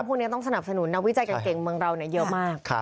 รุมพูดนี้ต้องสนับสนุนนะวิจัยเก่งเมืองเราเยอะมาก